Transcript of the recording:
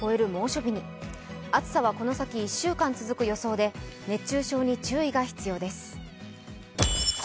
暑さはこの先、１週間続く予想で熱中症に注意が必要です。